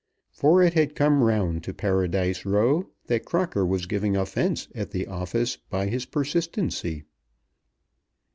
For it had come round to Paradise Row that Crocker was giving offence at the office by his persistency.